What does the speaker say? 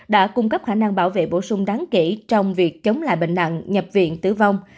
đã cung cấp khả năng bảo vệ bổ sung đáng kể trong việc chống lại bệnh nặng nhập viện tử vong